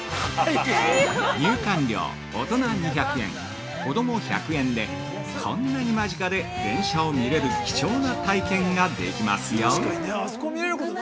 ◆入館料おとな２００円、こども１００円で、こんなに間近で電車を見れる貴重な体験ができますよ。